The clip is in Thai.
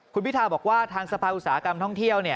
คุณพิทาบอกว่าทางสภาอุตสาหกรรมท่องเที่ยว